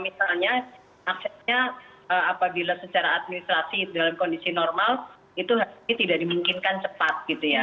misalnya aksesnya apabila secara administrasi dalam kondisi normal itu tidak dimungkinkan cepat gitu ya